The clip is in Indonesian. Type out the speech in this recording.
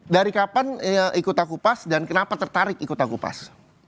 dari kapan ikut aku pas dan kenapa tertarik ikut aku pas